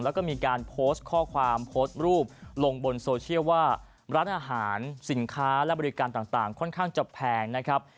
แล้วก็มีการโพสต์ข้อความโพสต์รูปลงบนโซเชียลว่าร้านอาหารสินค้าและบริการต่างค่อนข้างจะแพงนะครับ